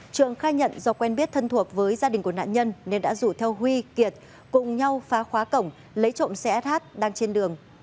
trường khai nhận do quen biết thân thuộc với gia đình của nạn nhân nên đã rủ theo huy kiệt cùng nhau phá khóa cổng lấy trộm xe sh đang trên đường